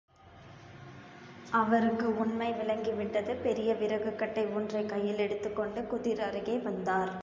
அவருக்கு உண்மை விளங்கிவிட்டது பெரிய விறகுக்கட்டை ஒன்றைக் கையிலெடுத்துக் கொண்டு குதிர் அருகே வந்தார்.